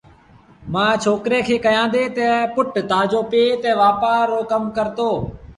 مآ ڇوڪري کي ڪهيآݩديٚ تا پُٽ تآجو پي تا وآپآر رو ڪم ڪرتو